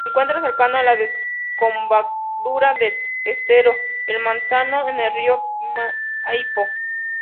Se encuentra cercano a la desembocadura del estero el Manzano en el río Maipo.